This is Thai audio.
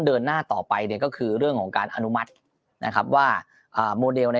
เดินหน้าต่อไปเนี่ยก็คือเรื่องของการอนุมัตินะครับว่าโมเดล